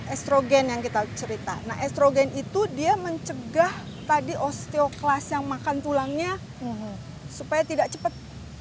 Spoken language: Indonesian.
estrogen yang kita cerita nah estrogen itu dia mencegah tadi osteoklas yang makan tulangnya supaya tidak cepat